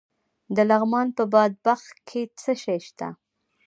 د لغمان په بادپخ کې څه شی شته؟